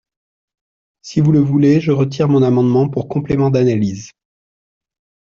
Si vous le voulez, je retire mon amendement pour complément d’analyse.